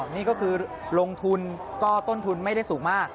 นี่ก็คือลงทุนก็ต้นทุนไม่ได้สูงมาก